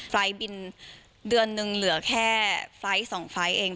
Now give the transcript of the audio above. ไฟล์บินเดือนหนึ่งเหลือแค่ไฟล์๒ไฟล์เอง